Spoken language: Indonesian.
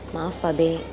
maaf pak b